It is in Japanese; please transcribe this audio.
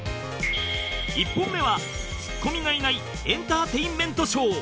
１本目はツッコミがいない「エンターテインメントショー」